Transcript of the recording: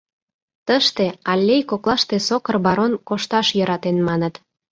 Тыште, аллей коклаште сокыр барон кошташ йӧратен маныт.